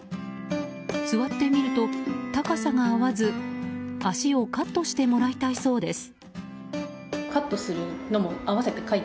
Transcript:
座ってみると高さが合わず脚をカットしてもらいたいそうです。